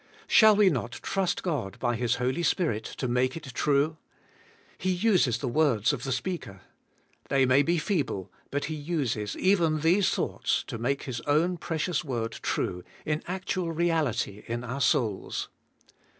Shall we not trust God by His Holy Spirit to make it true? He uses the words of the speaker. They may be feeble but He uses even these thoughts to make His own precious word true in actual reality in our souls.